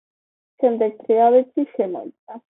შემდეგ თრიალეთში შემოიჭრა.